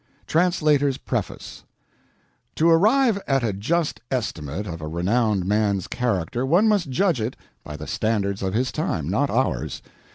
TRANSLATOR'S PREFACE To arrive at a just estimate of a renowned man's character one must judge it by the standards of his time, not ours.